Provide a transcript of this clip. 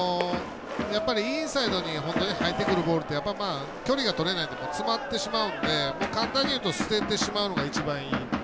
インサイドに入ってくるボールって距離が取れないと詰まってしまうので簡単に言うと捨ててしまうのが一番いい。